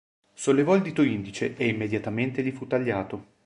Sollevò il dito indice e immediatamente gli fu tagliato.